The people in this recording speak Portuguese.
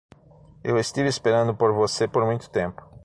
Eu estive esperando por você por muito tempo!